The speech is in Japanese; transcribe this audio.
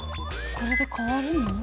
これで変わるの？